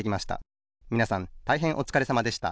みなさんたいへんおつかれさまでした